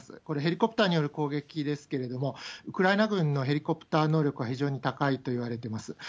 これ、ヘリコプターによる攻撃ですけれども、ウクライナ軍のヘリコプター能力は非常に高いといわれています。